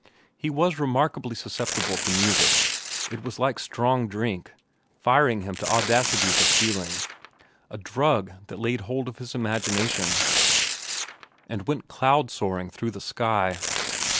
He was remarkably susceptible to music. It was like strong drink, firing him to audacities of feeling,—a drug that laid hold of his imagination and went cloud soaring through the sky.